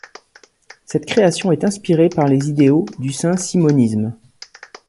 Cette création est inspirée par les idéaux du Saint-simonisme.